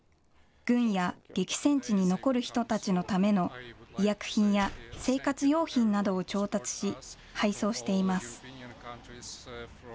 軍や激戦地に残る人たちのための医薬品や生活用品などを調達し配送しています。